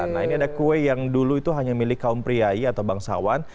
nah ini ada kue yang dulu itu hanya milik kaum priai atau bangsawan